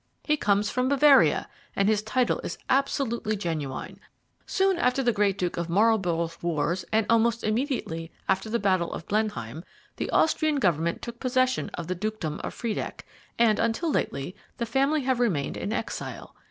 He comes from Bavaria, and his title is absolutely genuine. Soon after the great Duke of Marlborough's wars, and almost immediately after the Battle of Blenheim, the Austrian Government took possession of the Dukedom of Friedeck, and until lately the family have remained in exile.